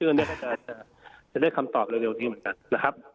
เรื่องนี้ก็จะได้คำตอบเร็วนี้เหมือนกันนะครับ